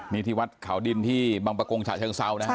นี่ที่วัดเขาดินที่บางปะโกงชาชิงซาวนะครับ